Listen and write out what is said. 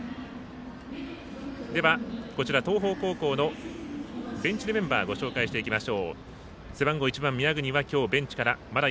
こちら、東邦高校のベンチメンバーをご紹介していきます。